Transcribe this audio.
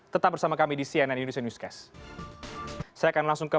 tetap bersama kami di cnn indonesia newscast